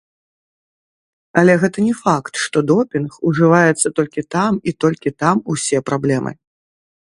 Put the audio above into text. Але гэта не факт, што допінг ужываецца толькі там і толькі там усе праблемы.